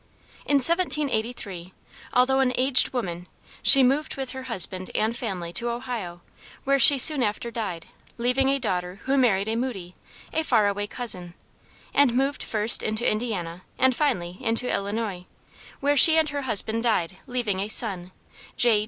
In 1783, although an aged woman, she moved with her husband and family to Ohio, where she soon after died, leaving a daughter who married a Moody, a far away cousin, and moved first into Indiana and finally into Illinois, where she and her husband died leaving a son, J.